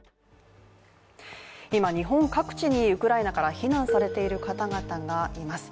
今、日本各地にウクライナから避難されている方々がいます。